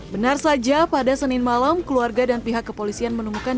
benar saja pada senin malam keluarga dan pihak kepolisian menemukan